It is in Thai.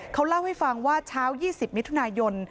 เขาเล่าให้ฟังว่าเช้า๒๐มิถุนายน